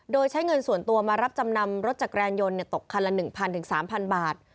โดยใช้เงินส่วนตัวมารับจำนำรถจักรยานยนต์ตกคันละ๑๐๐๓๐๐บาท